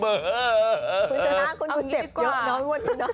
คุณชนะคุณคุณเจ็บเยอะน้องว่นน้อง